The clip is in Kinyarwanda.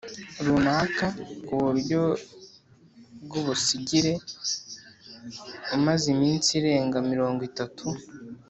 runaka ku buryo bw’ubusigire umaze iminsi irenga mirongo itatu